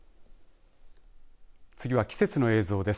次は季節の映像です。